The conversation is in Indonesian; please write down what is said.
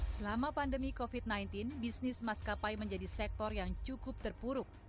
selama pandemi covid sembilan belas bisnis maskapai menjadi sektor yang cukup terpuruk